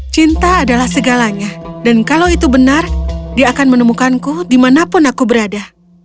cinta adalah segalanya dan kalau itu benar dia akan menemukanku dimanapun aku berada